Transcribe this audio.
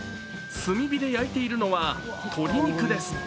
炭火で焼いているのは鶏肉です。